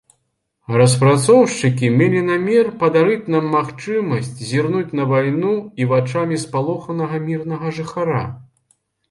Распрацоўшчыкі мелі намер падарыць нам магчымасць зірнуць на вайну і вачамі спалоханага мірнага жыхара.